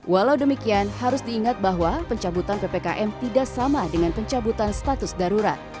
walau demikian harus diingat bahwa pencabutan ppkm tidak sama dengan pencabutan status darurat